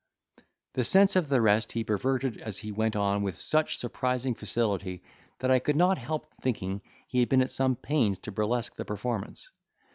The sense of the rest he perverted as he went on with such surprising facility that I could not help thinking he had been at some pains to burlesque the performance.